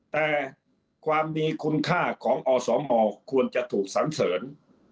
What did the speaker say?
แต่ความดีคุณค่าของอสมควรจะถูกสันเสริญ